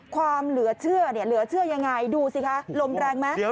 ความเหลือเชื่อเหลือเชื่อยังไงดูสิคะลมแรงไหม